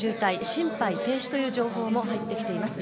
心肺停止という情報も入ってきています。